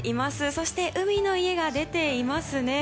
そして海の家が出ていますね。